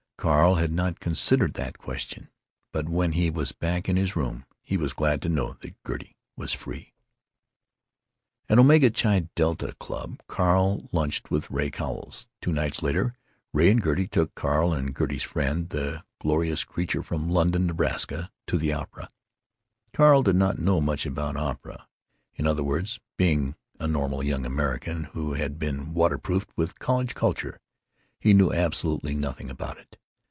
Carl had not considered that question; but when he was back in his room he was glad to know that Gertie was free. At the Omega Chi Delta Club, Carl lunched with Ray Cowles. Two nights later, Ray and Gertie took Carl and Gertie's friend, the glorious creature from London, Nebraska, to the opera. Carl did not know much about opera. In other words, being a normal young American who had been water proofed with college culture, he knew absolutely nothing about it.